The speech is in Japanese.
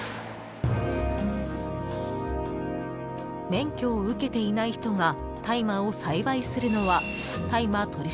［免許を受けていない人が大麻を栽培するのは］